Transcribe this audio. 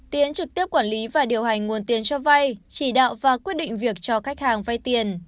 tiến trực tiếp quản lý và điều hành nguồn tiền cho vay chỉ đạo và quyết định việc cho khách hàng vay tiền